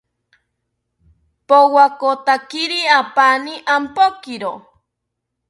Powakotakiri apani ompokiro